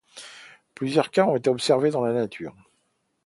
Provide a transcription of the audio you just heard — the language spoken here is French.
Plusieurs cas ont été observés dans la nature.